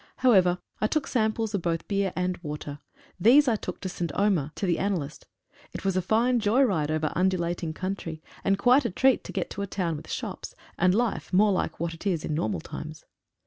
However, I took samples of both beer and water. These I took to St. Omer, to the analyst. It was a fine joy ride over undulating country, and quite a treat to get to a town with shops, and life more like what it is in normal times.